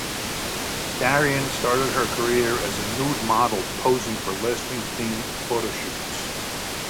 Darrian started her career as a nude model posing for lesbian-themed photoshoots.